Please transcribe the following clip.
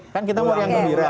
kan kita mau yang gembira